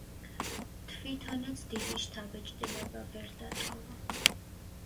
თვითონაც დიდი შთაბეჭდილება ვერ დატოვა.